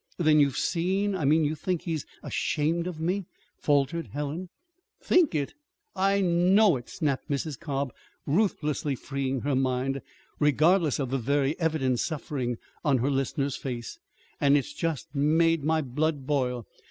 "Then you've seen I mean, you think he's ashamed of me?" faltered Helen. "Think it! I know it," snapped Mrs. Cobb, ruthlessly freeing her mind, regardless of the very evident suffering on her listener's face; "and it's just made my blood boil.